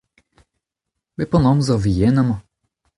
Bep an amzer e vez yen amañ.